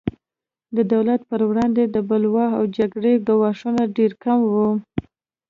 د دولت پر وړاندې د بلوا او جګړې ګواښونه ډېر کم وو.